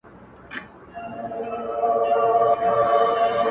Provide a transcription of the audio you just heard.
د نوم له سيـتاره دى لـوېـدلى’